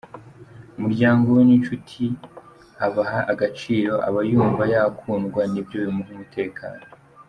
Umuryango we n’inshuti abaha agaciro, aba yumva yakundwa, nibyo bimuha umutekano.